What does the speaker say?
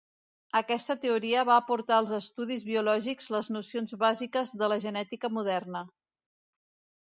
Aquesta teoria va aportar als estudis biològics les nocions bàsiques de la genètica moderna.